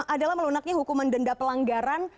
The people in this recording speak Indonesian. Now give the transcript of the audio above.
adalah melunaknya hukuman denda pelanggaran